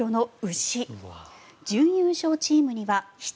準優勝チームには羊。